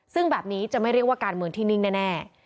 ซึ่งแบบนี้จะไม่เรียกว่าการเมืองที่นิ่งแน่